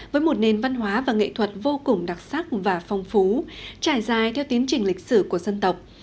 với một nền văn hóa và nghệ thuật vô cùng đặc sắc và phong phú trải dài theo tiến trình lịch sử của dân tộc